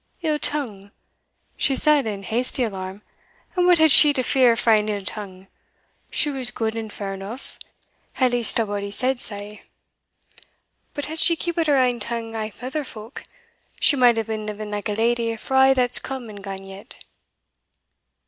"Ill tongue?" she said in hasty alarm; "and what had she to fear frae an ill tongue? she was gude and fair eneugh at least a' body said sae. But had she keepit her ain tongue aff ither folk, she might hae been living like a leddy for a' that's come and gane yet."